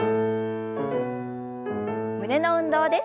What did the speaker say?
胸の運動です。